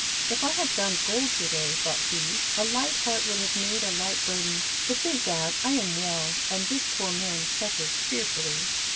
"If I had found gold to day," thought he, "a light heart would have made a light burden; but thank God I am well, and this poor man suffers fearfully."